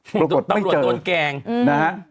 ปรากฏไม่เจอตำรวจโดนแกล้งนะฮะ